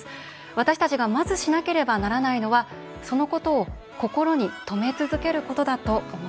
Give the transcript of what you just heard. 私たちがまずしなければならないのはそのことを心にとめ続けることだと思います。